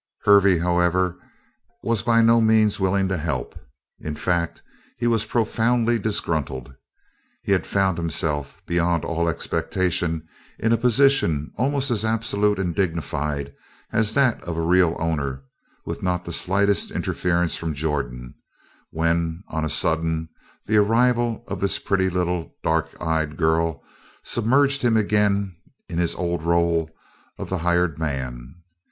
Hervey, however, was by no means willing to help. In fact, he was profoundly disgruntled. He had found himself, beyond all expectation, in a position almost as absolute and dignified as that of a real owner with not the slightest interference from Jordan, when on a sudden the arrival of this pretty little dark eyed girl submerged him again in his old role of the hired man.